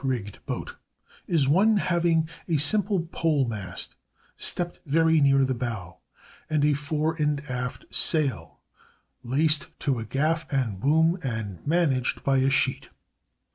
_, cat rigged boat) is one having a simple pole mast stepped very near the bow, and a fore and aft sail laced to a gaff and boom and managed by a sheet.